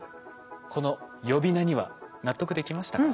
この呼び名には納得できましたか？